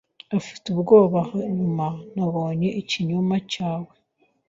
afite ubwoba hanyuma nabonye ikinyoma cyawe